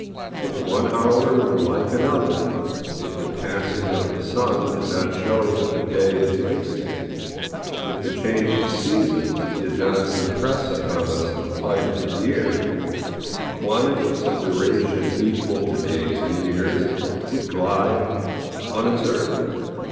If one hour were like another; if the passage of the sun did not show that the day is wasting; if the change of seasons did not impress upon us the flight of the year; quantities of duration equal to days and years would glide unobserved.